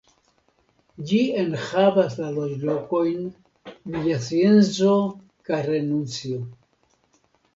Ĝi enhavas la loĝlokojn Villacienzo kaj Renuncio.